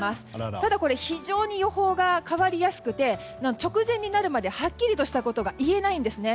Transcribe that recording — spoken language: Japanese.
ただ、これ非常に予報が変わりやすくて直前になるまではっきりとしたことが言えないんですね。